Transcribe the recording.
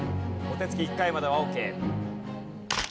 お手つき１回まではオーケー。